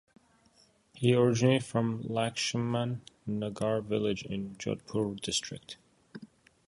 He originated from Lakshman Nagar village in Jodhpur district.